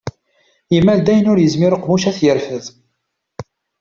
Yemmal-d ayen ur yezmir uqemmuc ad t-yerfed.